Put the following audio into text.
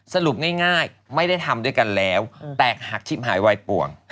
สรุปง่ายไม่ได้ทำด้วยกันแล้วแตกหักชิบหายไวป่วง